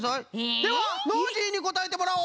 ではノージーにこたえてもらおう！